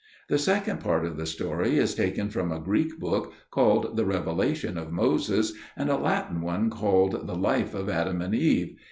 The second part of the story is taken from a Greek book called The Revelation of Moses, and a Latin one called The Life of Adam and Eve.